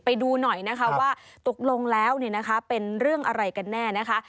ไปดูหน่อยนะคะว่าตกลงแล้วเป็นเรื่องอะไรกันแน่นะคะ